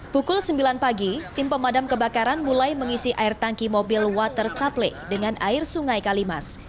pukul sembilan pagi tim pemadam kebakaran mulai mengisi air tangki mobil water supply dengan air sungai kalimas